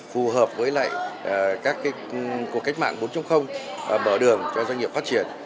phù hợp với các cuộc cách mạng bốn bởi đường cho doanh nghiệp phát triển